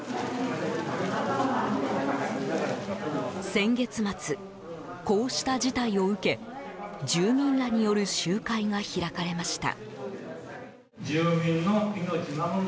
先月末、こうした事態を受け住民らによる集会が開かれました。